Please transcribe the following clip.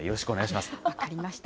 分かりました。